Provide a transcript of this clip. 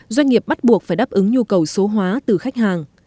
doanh nghiệp bắt buộc phải đáp ứng nhu cầu số hóa từ khách hàng